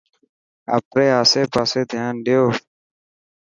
آپري آسي پاسي ڌيان ڏيو.